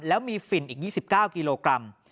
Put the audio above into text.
แล้วมีฝิ่นอีก๒๙กิโลกรัม